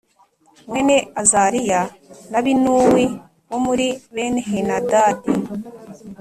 mwene Azariya na Binuwi wo muri bene Henadadi